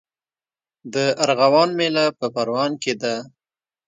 د ارغوان میله په پروان کې ده.